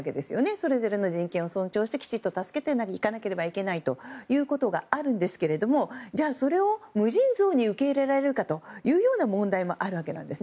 それぞれの人権を尊重してきちっと助けていかなければならないということがあるんですけどじゃあ、それを無尽蔵に受け入れられるかという問題もあるわけなんです。